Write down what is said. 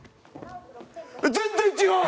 全然違う！